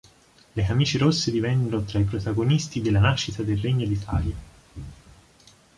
Le camicie rosse divennero tra i protagonisti della nascita del Regno d'Italia.